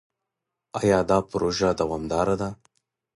ایا دا پروژه دوامداره ده؟